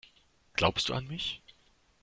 Glaubst du an mich?